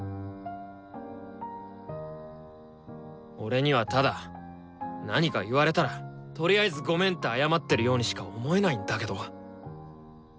俺にはただ何か言われたらとりあえず「ごめん」って謝ってるようにしか思えないんだけど？